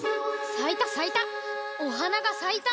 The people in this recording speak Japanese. さいたさいた。